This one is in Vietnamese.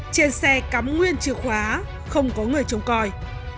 trên xe cắm nguyên chìa khóa không có người trông coi